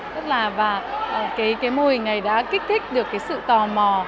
tức là và cái mô hình này đã kích thích được cái sự tò mò